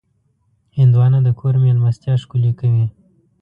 هندوانه د کور مېلمستیا ښکلې کوي.